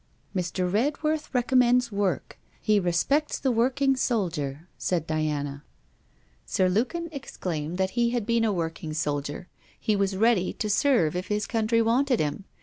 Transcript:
'Mr. Redworth recommends work: he respects the working soldier,' said Diana. Sir Lukin exclaimed that he had been a working soldier; he was ready to serve if his country wanted him.